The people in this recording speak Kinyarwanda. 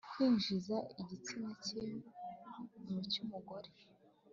kwinjiza igitsina cye mu cy'umugore